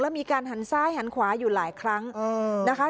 แล้วมีการหันซ้ายหันขวาอยู่หลายครั้งนะคะ